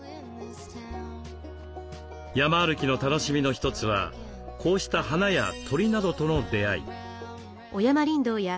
山歩きの楽しみの一つはこうした花や鳥などとの出会い。